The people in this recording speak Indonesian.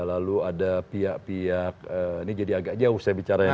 lalu ada pihak pihak ini jadi agak jauh saya bicara ya